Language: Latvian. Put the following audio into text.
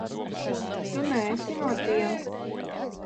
Tu neesi no tiem.